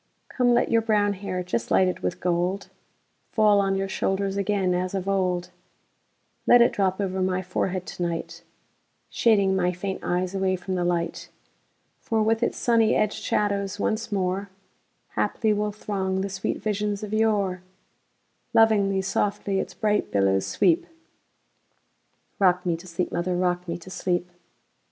Come, let your brown hair, just lighted with gold, Fall on your shoulders again as of old; Let it drop over my forehead to night, Shading my faint eyes away from the light; For with its sunny edged shadows once moreHaply will throng the sweet visions of yore; Lovingly, softly, its bright billows sweep;—Rock me to sleep, mother,—rock me to sleep!